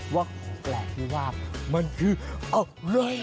ว่าของแปลกที่ว่ามันคืออะไร